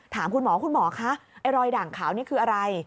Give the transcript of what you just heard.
ถามคุณหมอคุณหมอคะไอ้รอยด่างขาวนี่คืออะไร